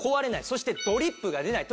そしてドリップが出ない。